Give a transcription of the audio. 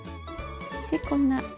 でこんな。